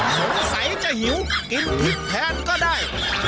สงสัยจะหิวกินพริกแทนก็ได้